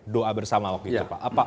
doa bersama waktu itu pak